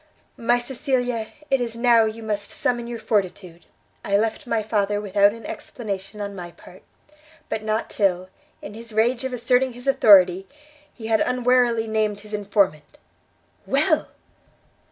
"My Cecilia, it is now you must summon your fortitude: I left my father without an explanation on my part; but not till, in his rage of asserting his authority, he had unwarily named his informant." "Well!"